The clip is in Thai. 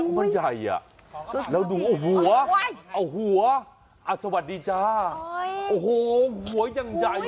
มันใหญ่อ่ะแล้วดูโอ้โฮสวัสดีจ้าโอ้โฮหัวอย่างใหญ่